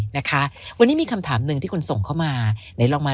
นะคะวันนี้มีคำถามหนึ่งที่คุณส่งเข้ามาไหนลองมา